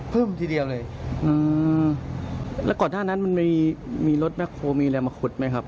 พึ่มทีเดียวเลยแล้วก่อนหน้านั้นมันมีรถแม่โครมมีอะไรมาขุดไหมครับ